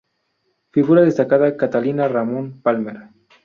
Figura destacada: Catalina Ramón Palmer.